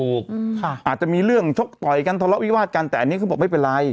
อาจจะมีเรื่องชกต่อยกันทะเลาะวิวาดกันแต่อันนี้เขาบอกไม่เป็นไร